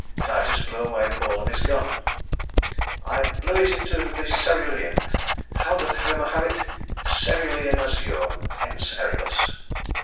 Titus blew away the ball of his gun. "I blew it into the cerulean how doth Homer have it? cerulean azure hence Erebus."